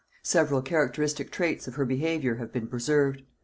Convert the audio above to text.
Several characteristic traits of her behaviour have been preserved.